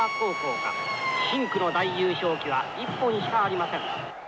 深紅の大優勝旗は一本しかありません。